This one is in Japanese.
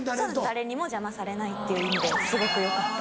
誰にも邪魔されないっていう意味ですごくよかった。